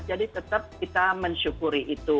jadi tetap kita mensyukuri itu